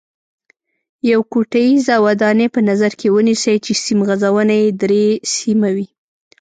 یوه کوټیزه ودانۍ په نظر کې ونیسئ چې سیم غځونه یې درې سیمه وي.